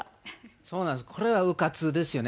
そうなんです、これはうかつですよね。